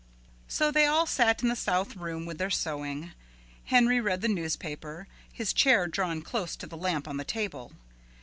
So they all sat in the south room with their sewing. Henry read the newspaper, his chair drawn close to the lamp on the table.